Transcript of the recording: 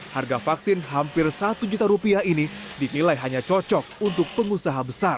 harga vaksin hampir satu juta rupiah ini dinilai hanya cocok untuk pengusaha besar